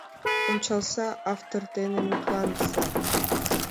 Ончалза, автор дене мутланыза.